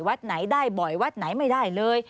วัดไหนได้บ่อยวัดไหนไม่ได้เลย